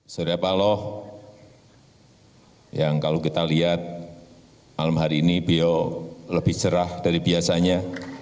surya paloh yang kalau kita lihat malam hari ini bio lebih cerah dari biasanya